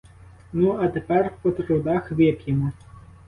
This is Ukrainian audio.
Ну, а тепер по трудах вип'ємо.